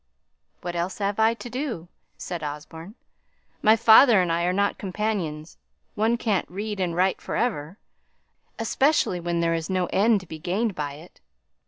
"What else have I to do?" said Osborne. "My father and I are not companions; one can't read and write for ever, especially when there's no end to be gained by it.